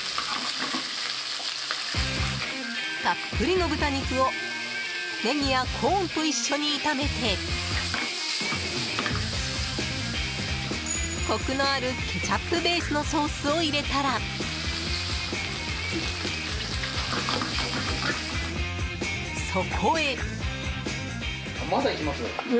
たっぷりの豚肉をネギやコーンと一緒に炒めてコクのあるケチャップベースのソースを入れたら、そこへ。